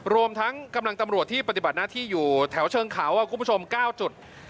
รวมทั้งกำลังตำรวจที่ปฏิบัติหน้าที่อยู่แถวเชิงเขาคุณผู้ชม๙จุด